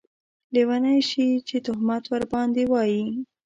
لیونۍ شې چې تهمت ورباندې واېې